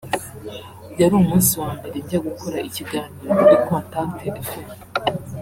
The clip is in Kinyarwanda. yari umunsi wa mbere njya gukora ikiganiro kuri Contact Fm